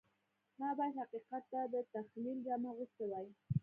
ما باید حقیقت ته د تخیل جامه اغوستې وای